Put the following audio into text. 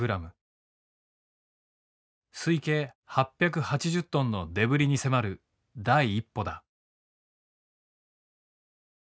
推計８８０トンのデブリに迫る第一歩だ。